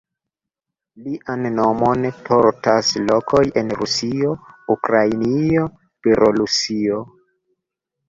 Lian nomon portas lokoj en Rusio, Ukrainio, Belorusio.